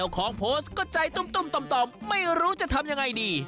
ของโพสต์ก็ใจตุ้มต่อมไม่รู้จะทำยังไงดี